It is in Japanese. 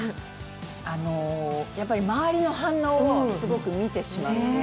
やっぱり周りの反応をすごく見てしまうんですね。